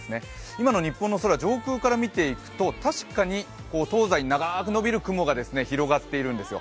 今の日本の空、上空から見ていくと確かに東西に長く延びる雲が広がっているんですよ。